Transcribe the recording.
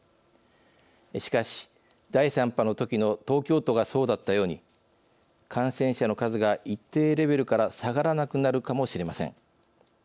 しかし第３波のときの東京都がそうだったように感染者の数が一定レベルから下がらなくなるかもしれません。